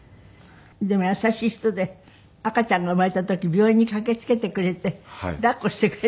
でも優しい人で赤ちゃんが生まれた時病院に駆けつけてくれて抱っこしてくれた。